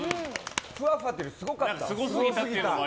ふわふわっていうよりすごかった。